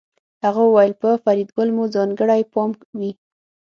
هغه وویل په فریدګل مو ځانګړی پام وي